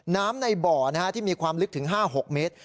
น้ำในบ่อนะฮะที่มีความลึกถึงห้าหกเมตร